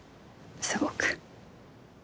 すごく。